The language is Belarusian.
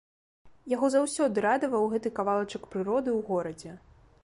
Яго заўсёды радаваў гэты кавалачак прыроды ў горадзе.